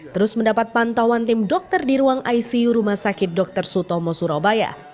terus mendapat pantauan tim dokter di ruang icu rumah sakit dr sutomo surabaya